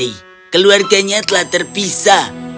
tidak sedih keluarganya telah terpisah